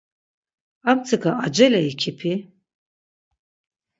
Armtsika acele ikipi?